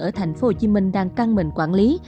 ở tp hcm đang căng mệnh quản lý